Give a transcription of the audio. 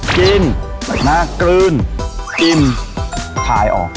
กินหนักกลืนอิ่มถ่ายออก